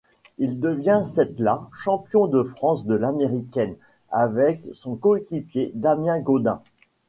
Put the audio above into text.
Il devient cette-là champion de France de l'américaine, avec son coéquipier Damien Gaudin.